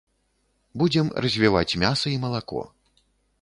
Будзем развіваць мяса і малако.